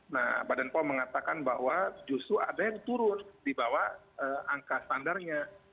nah badan pom mengatakan bahwa justru ada yang turun di bawah angka standarnya